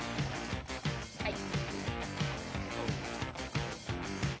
はい。